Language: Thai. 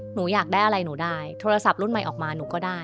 หนูอยากได้อะไรหนูได้โทรศัพท์รุ่นใหม่ออกมาหนูก็ได้